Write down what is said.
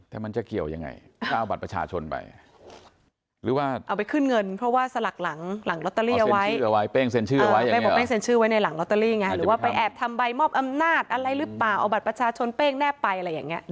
แต่มันจะเกี่ยวยังไงก็เอาบัตรประชาชนไปหรือว่าเอาไปขึ้นเงินเพราะว่าสลักหลังหลังลอตเตอรี่เอาไว้เป้งเซ็นชื่อเอาไว้เป้งบอกเป้งเซ็นชื่อไว้ในหลังลอตเตอรี่ไงหรือว่าไปแอบทำใบมอบอำนาจอะไรหรือเปล่าเอาบัตรประชาชนเป้งแนบไปอะไรอย่างนี้